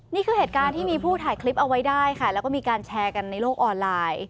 นี่คือเหตุการณ์ที่มีผู้ถ่ายคลิปเอาไว้ได้ค่ะแล้วก็มีการแชร์กันในโลกออนไลน์